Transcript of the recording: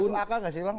masuk akal gak sih bang